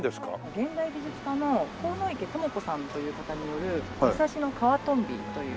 現代美術家の鴻池朋子さんという方による『武蔵野皮トンビ』という。